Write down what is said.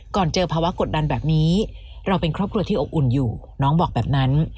เจอภาวะกดดันแบบนี้เราเป็นครอบครัวที่อบอุ่นอยู่น้องบอกแบบนั้น